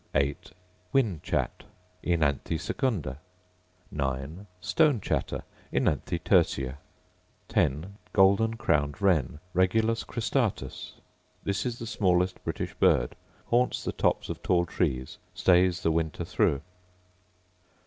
Whin chat, OEnanthe secunda: Stone chatter, OEnanthe tertia: Golden crowned wren, Regulus cristatus: This is the smallest British bird: haunts the tops of tall trees; stays the winter through.